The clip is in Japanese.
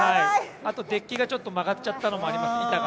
あとデッキがちょっと曲がっちゃったのもあります、板が。